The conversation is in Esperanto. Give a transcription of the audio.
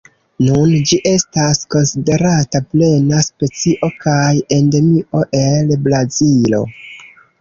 Nun ĝi estas konsiderata plena specio kaj endemio el Brazilo.